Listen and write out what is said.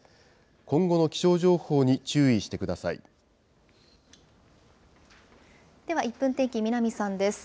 今後の気象情報に注意してくださでは１分天気、南さんです。